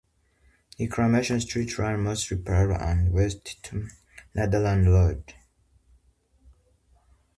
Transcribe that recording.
Reclamation Street runs mostly parallel and west to Nathan Road.